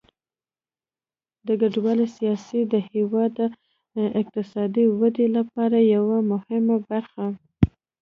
د کډوالۍ سیاست د هیواد د اقتصادي ودې لپاره یوه مهمه برخه ده.